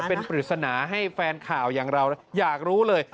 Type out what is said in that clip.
เป็นปริศนาให้แฟนข่าวอย่างเราอยากรู้เลย